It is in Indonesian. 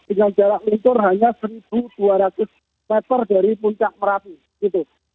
dengan jarak lingkur hanya seribu dua ratus meter dari puncak merapi